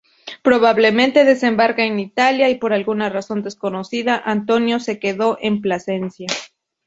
Probablemente desembarcaran en Italia y, por alguna razón desconocida, Antonino se quedó en Plasencia.